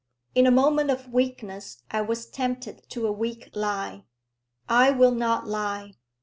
In a moment of weakness I was tempted to a weak lie. I will not lie.